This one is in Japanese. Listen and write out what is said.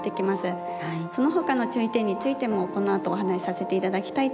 その他の注意点についてもこのあとお話しさせて頂きたいと思います。